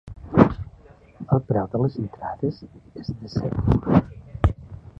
El preu de les entrades és de set euros.